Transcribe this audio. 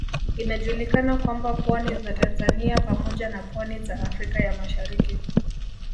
Inajulikana kwamba pwani za Tanzania pamoja na pwani za Afrika ya Mashariki